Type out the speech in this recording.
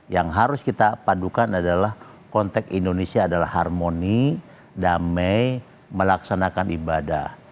yang harus kita padukan adalah konteks indonesia adalah harmoni damai melaksanakan ibadah